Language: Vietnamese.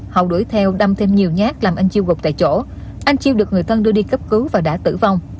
hậu đuổi theo đâm thêm nhiều nhát làm anh chiêu gục tại chỗ anh chiêu được người thân đưa đi cấp cứu và đã tử vong